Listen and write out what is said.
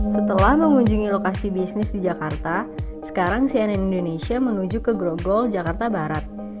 setelah mengunjungi lokasi bisnis di jakarta sekarang cnn indonesia menuju ke grogol jakarta barat